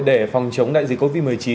để phòng chống đại dịch covid một mươi chín